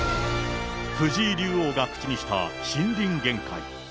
藤井竜王が口にした森林限界。